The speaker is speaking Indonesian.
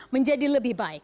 menjadi lebih baik